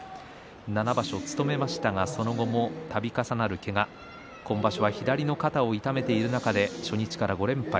７場所、務めましたがその後もたび重なる、けが今場所は左の肩を痛めている中で初日から５連敗。